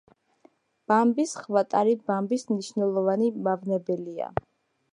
ბამბის ხვატარი ბამბის მნიშვნელოვანი მავნებელია.